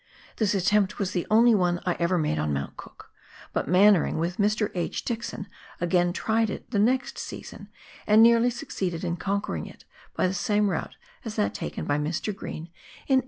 This attempt was the only one I ever made on Mount Cook, but Mannering, with Mr. H. Dixon, again tried it the next season,* and nearly succeeded in conquering it, by the same route as that taken by Mr. Green in 1882.